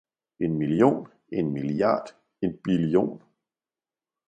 en million, en milliard, en billion